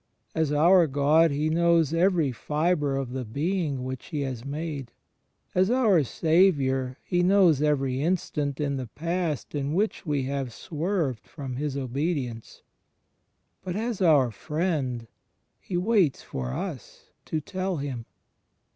As our God He knows every fibre of the being which He has made; as our Saviour He knows every instant in the past in which we have swerved from His obedience: but, as our Friend, He waits for us to tell Him.